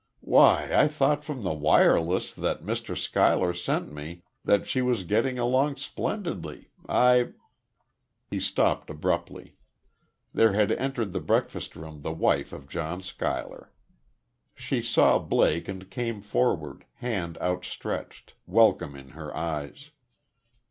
"Why, I though from the wireless that Mr. Schuyler sent me that she was getting along splendidly. I " He stopped, abruptly. There had entered the breakfast room the wife of John Schuyler. She saw Blake and came forward, hand outstretched, welcome in her eyes.